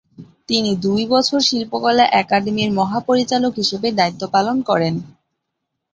তিনি দুই বছর বাংলাদেশ শিল্পকলা একাডেমির মহাপরিচালক হিসেবে দায়িত্ব পালন করেন।